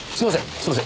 すいません。